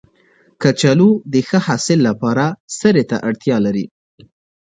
کچالو د ښه حاصل لپاره سرې ته اړتیا لري